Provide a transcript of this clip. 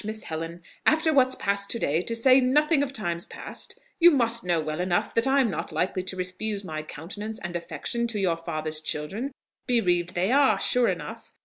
Miss Helen. After what's passed to day, to say nothing of times past, you must know well enough that I'm not likely to refuse my countenance and affection to your father's children; bereaved they are, sure enough!